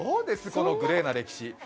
このグレーな歴史。